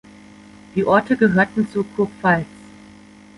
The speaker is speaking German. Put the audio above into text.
Die Orte gehörten zur Kurpfalz.